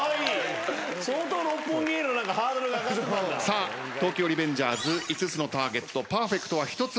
さあ東京リベンジャーズ５つのターゲットパーフェクトは１つもありませんでした